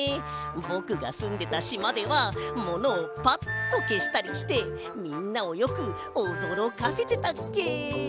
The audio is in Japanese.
ぼくがすんでたしまではものをパッとけしたりしてみんなをよくおどろかせてたっけ。